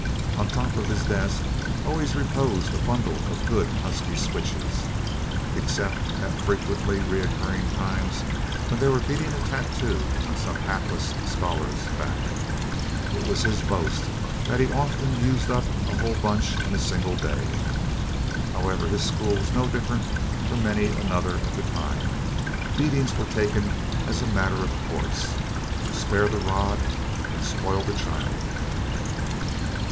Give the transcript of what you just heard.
On top of his desk always reposed a bundle of good husky switches except at frequently recurring times when they were beating a tattoo on some hapless scholar's back. It was his boast that he often used up a whole bunch in a single day. However, his school was no different from many another of the time. Beatings were taken as a matter of course. "Spare the rod and spoil the child!"